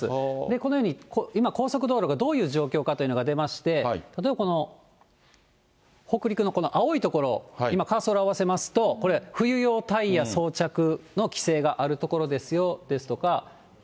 このように今、高速道路がどういう状況かというのが出まして、例えばこの北陸のこの青い所、今、カーソル合わせますと、これ、冬用タイヤ装着の規制がある所ですよですとか。